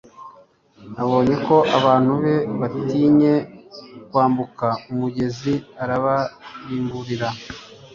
abonye ko abantu be batinye kwambuka umugezi, arababimburira